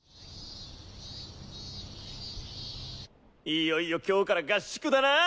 いよいよ今日から合宿だな！